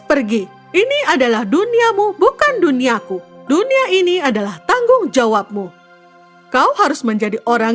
pergi ini adalah duniamu bukan duniaku dunia ini adalah tanggung jawabmu kau harus menjadi orang